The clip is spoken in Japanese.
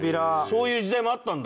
そういう時代もあったんだ。